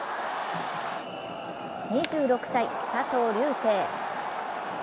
２６歳、佐藤龍世。